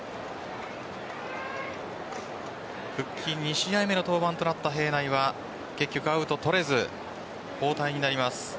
復帰２試合目の登板となった平内は結局アウト取れず交代になります。